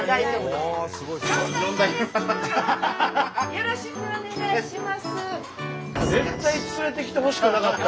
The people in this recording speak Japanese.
よろしくお願いします。